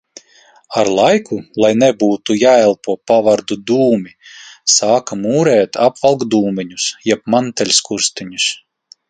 Ar laiku, lai nebūtu jāelpo pavardu dūmi, sāka mūrēt apvalkdūmeņus jeb manteļskursteņus.